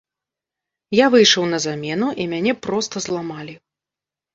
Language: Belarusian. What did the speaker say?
Я выйшаў на замену, і мяне проста зламалі.